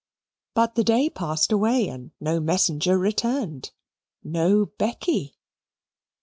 But the day passed away and no messenger returned no Becky.